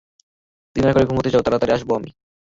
Dinner করে ঘুমাতে যাও, তাড়াতাড়িই আসবো আমি।